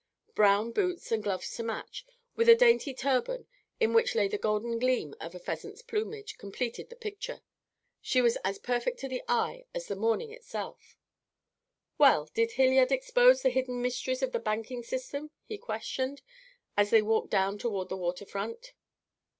Brown boots and gloves to match, with a dainty turban in which lay the golden gleam of a pheasant's plumage, completed the picture. She was as perfect to the eye as the morning itself. "Well, did Hilliard expose the hidden mysteries of the banking system?" he questioned, as they walked down toward the water front.